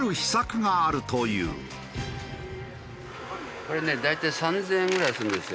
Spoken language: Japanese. これね大体３０００円ぐらいするんですよ